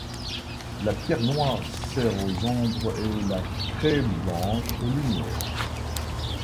La pierre noire sert aux ombres et la craie blanche aux lumières.